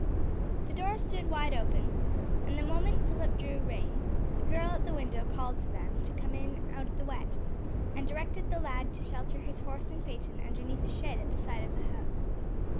The door stood wide open and the moment Philip drew rein, the girl at the window called to them to come in out of the wet, and directed the lad to shelter his horse and phaeton underneath a shed at the side of the house.